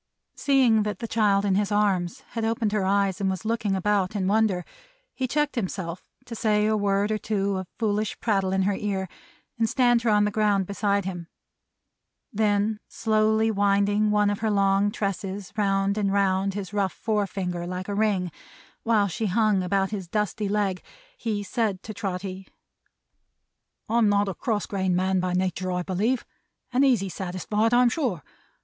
'" Seeing that the child in his arms had opened her eyes, and was looking about in wonder, he checked himself to say a word or two of foolish prattle in her ear, and stand her on the ground beside him. Then slowly winding one of her long tresses round and round his rough forefinger like a ring, while she hung about his dusty leg, he said to Trotty, "I'm not a cross grained man by natur', I believe; and easy satisfied, I'm sure.